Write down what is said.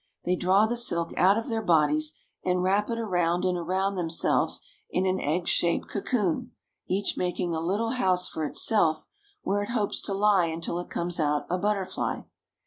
They draw the silk out of their bodies, and wrap it around and around themselves in an egg shaped cocoon, each making a little house for itself, where it hopes to lie until it comes out a butterfly.